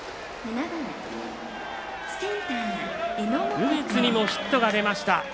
梅津にもヒットが出ました。